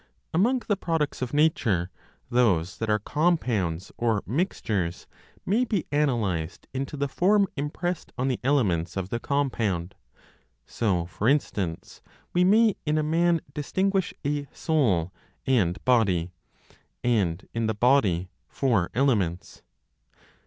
Among the products of nature, those that are compounds or mixtures may be analyzed into the form impressed on the elements of the compound; so, for instance, we may in a man, distinguish a soul and body, and in the body four elements.